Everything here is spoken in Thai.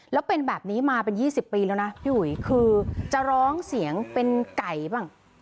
แล้วเป็นแบบนี้มาเป็น๒๐ปีแล้วนะพี่อุ๋ยคือจะร้องเสียงเป็นไก่บ้าง